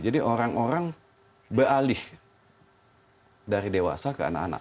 jadi orang orang beralih dari dewasa ke anak anak